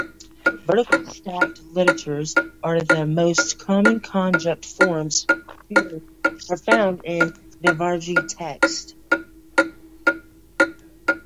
Vertically stacked ligatures are the most common conjunct forms found in Devanagari text.